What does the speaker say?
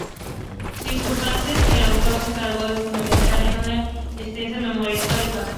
Circunstancias que el autor se encargó de fundamentar en una extensa memoria histórica.